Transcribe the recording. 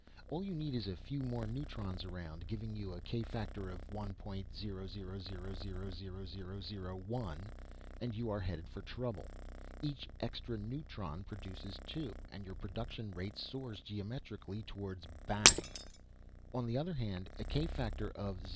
All you need is a few more neutrons around, giving you a k factor of 1.00000001 and you are headed for trouble. Each extra neutron produces two and your production rate soars geometrically towards bang. On the other hand, a k factor of 0.